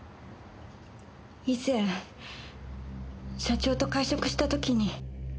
以前社長と会食した時に。